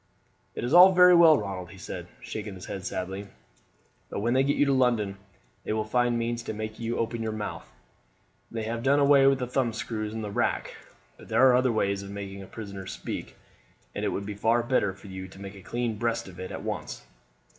"It's all very well, Ronald," he said, shaking his head sadly; "but when they get you to London they will find means to make you open your mouth. They have done away with the thumb screws and the rack, but there are other ways of making a prisoner speak, and it would be far better for you to make a clean breast of it at once.